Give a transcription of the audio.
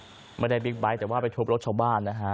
ไม่ได้บิ๊กไบท์แต่ว่าไปทุบรถชาวบ้านนะฮะ